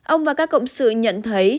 ông và các cộng sự nhận thấy